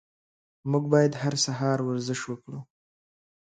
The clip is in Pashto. موږ باید هر سهار ورزش وکړو.